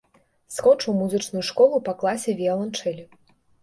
Скончыў музычную школу па класе віяланчэлі.